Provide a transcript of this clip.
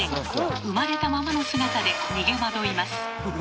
生まれたままの姿で逃げ惑います。